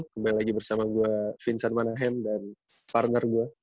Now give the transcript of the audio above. kembali lagi bersama gue vincent manahem dan partner gue